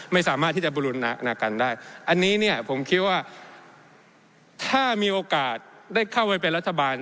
ไม่สามารถที่จะบุรุณากันได้อันนี้เนี่ยผมคิดว่าถ้ามีโอกาสได้เข้าไปเป็นรัฐบาล